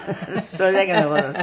それだけの事で。